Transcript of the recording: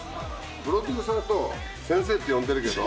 プロデューサーと、先生って呼んでるけど。